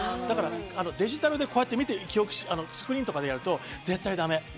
デジタルでこうやって見て、スクリーンとかでやると絶対だめ。